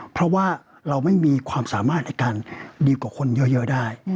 เพราะว่าเราไม่มีความสามารถในการดีกว่าคนเยอะได้